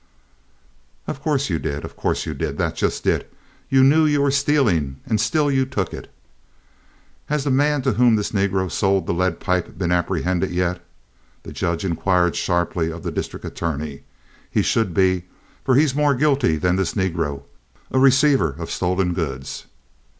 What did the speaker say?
"Of course you did. Of course you did. That's just it. You knew you were stealing, and still you took it. Has the man to whom this negro sold the lead pipe been apprehended yet?" the judge inquired sharply of the district attorney. "He should be, for he's more guilty than this negro, a receiver of stolen goods."